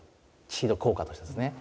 治療効果としてですね。